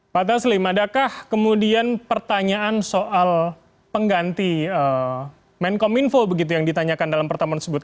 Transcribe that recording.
pak taslim adakah kemudian pertanyaan soal pengganti menkom info begitu yang ditanyakan dalam pertemuan tersebut